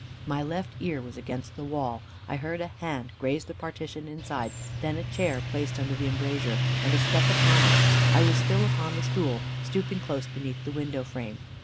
My left ear was against the wall. I heard a hand graze the partition inside, then a chair placed under the embrasure, and a step upon it. I was still upon the stool, stooping close beneath the window frame.